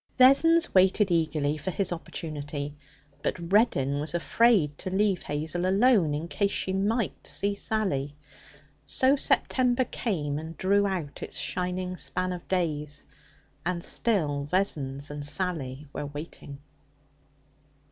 Vessons waited eagerly for his opportunity; but Reddin was afraid to leave Hazel alone, in case she might see Sally; so September came and drew out its shining span of days, and still Vessons and Sally were waiting.